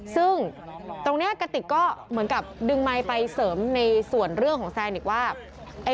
ซึ่งตรงนี้กระติกก็เหมือนกับดึงไมค์ไปเสริมในส่วนเรื่องของแซนอีกว่า